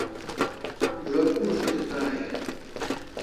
Zo't ushtis dai e?